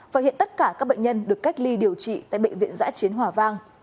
và hiện tất cả các bệnh nhân được cách ly điều trị tại bệnh viện giã chiến hòa vang